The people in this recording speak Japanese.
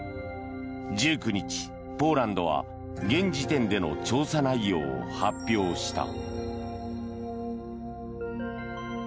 １９日、ポーランドは現時点での調査内容を発表した。